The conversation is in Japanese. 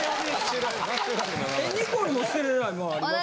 二コルも捨てれない物ありますって？